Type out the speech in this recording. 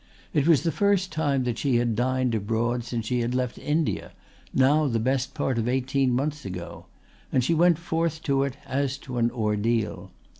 It was the first time that she had dined abroad since she had left India, now the best part of eighteen months ago, and she went forth to it as to an ordeal.